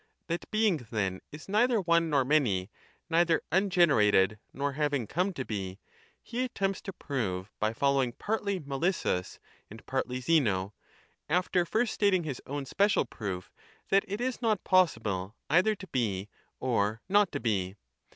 That Being then, is neither one nor many, neither ungenerated nor having come to be, he attempts to prove by following partly Melissus and partly Zeno, after first stating his own special proof that it is not possible either to be or not to be.